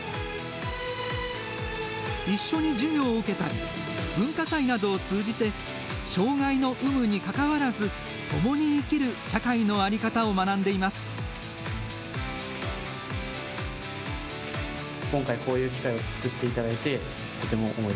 一緒に授業を受けたり、文化祭などを通じて、障害の有無にかかわらず、共に生きる社会の在り方を学んでいます。